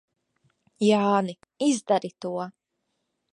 Jāni, izdari to!